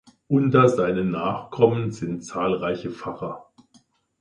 Unter seinen Nachkommen sind zahlreiche Pfarrer.